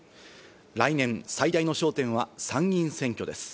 来年、最大の焦点は参議院選挙です。